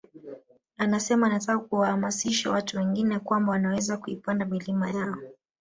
Anasema anataka kuwahamasisha watu wengine kwamba wanaweza kuipanda milima yao